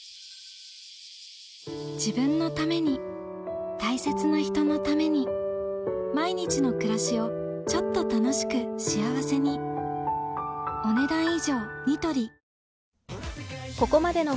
自分のために大切な人のために毎日の暮らしをちょっと楽しく幸せにいってらっしゃい！